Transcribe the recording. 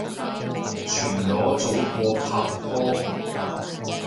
全裸早過拍拖